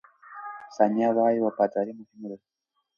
ثانیه وايي، وفاداري مهمه ده.